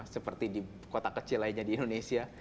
seperti di kota kecil lainnya di indonesia